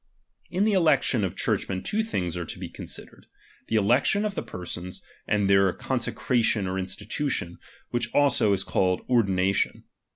In the election ofchurchmen two things are to l)e considered ; the election of the persons, and their consecration or institution, which also is called ordination.